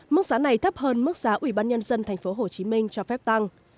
mức giá này thấp hơn mức giá ủy ban nhân dân tp hcm cho phép tăng